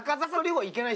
はい！